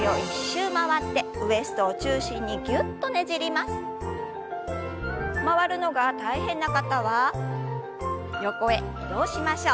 回るのが大変な方は横へ移動しましょう。